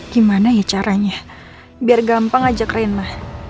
gimana ya caranya biar gampang ajak reina